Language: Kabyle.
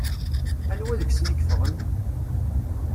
Anwa deg-sen i yeffɣen?